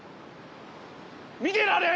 見てられん！